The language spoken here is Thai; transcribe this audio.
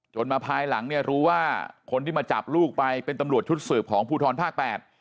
มาภายหลังเนี่ยรู้ว่าคนที่มาจับลูกไปเป็นตำรวจชุดสืบของภูทรภาคแปด